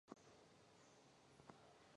天目东路的辟筑始于清朝末年。